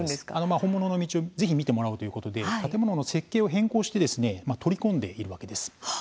本物の道をぜひ見てもらおう、ということで建物の設計を変更して取り込んでいるわけです。